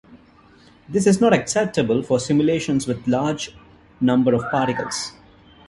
This is not acceptable for simulations with large number of particles.